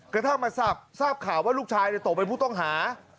กระทั่งมาทราบข่าวว่าลูกชายตกเป็นผู้ต้องหา